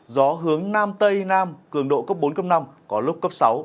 gió hướng nam tây nam cường độ cấp bốn cấp năm có lúc cấp sáu